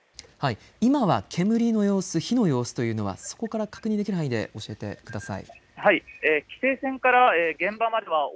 はい、今は煙の様子火の様子というのはそこから確認できる範囲で教えてください。